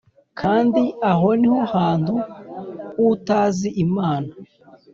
kandi aho ni ho hantu h’utazi imana”